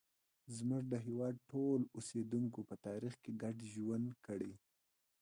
زموږ د هېواد ټولو اوسیدونکو په تاریخ کې ګډ ژوند کړی.